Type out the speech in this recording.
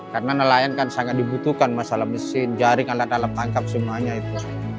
karena nelayan kan sangat dibutuhkan masalah mesin jaring alat alat tangkap semuanya itu